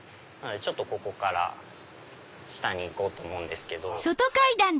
ここから下に行こうと思うんですけど。